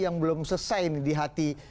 yang belum selesai ini di hati